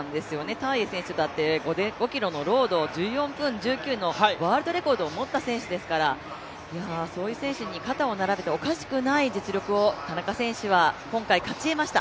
タイエ選手だって５ｋｍのロードを１４分１９のワールドレコードを持った選手ですからそういう選手に肩を並べておかしくない実力を田中選手は今回勝ち得ました。